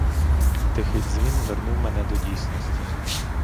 Тихий дзвін вернув мене до дійсності.